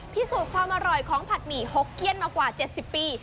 พิสูจน์ความอร่อยของผัดหมี่หกเขี้ยนมากว่า๗๐ปี